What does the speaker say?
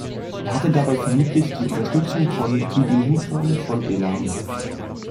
Er hatte dabei vermutlich die Unterstützung von Kidin-Hutran von Elam.